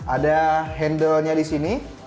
ada handlenya di sini